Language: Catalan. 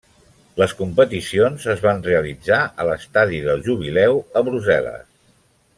Les competicions es van realitzar a l'Estadi del Jubileu a Brussel·les.